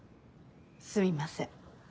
すみません。